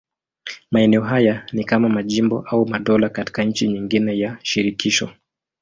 Maeneo haya ni kama majimbo au madola katika nchi nyingine ya shirikisho.